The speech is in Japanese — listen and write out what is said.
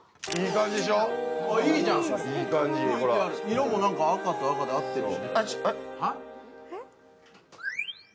色も赤と赤で合ってるわ。